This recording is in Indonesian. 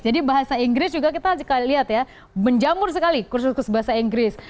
jadi bahasa inggris juga kita lihat ya menjamur sekali kursus kursus bahasa inggris